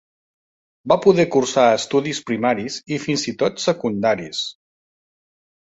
Va poder cursar estudis primaris i fins i tot secundaris.